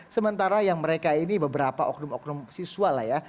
sementara yang mereka ini beberapa oknum oknum siswa lah ya